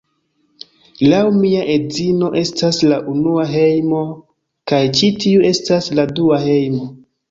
Laŭ mia edzino, estas la unua hejmo, kaj ĉi tiu estas la dua hejmo.